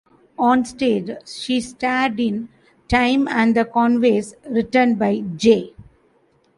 Onstage, she starred in "Time and the Conways", written by J.